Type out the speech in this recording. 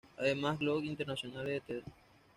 Además Globe International Ltd.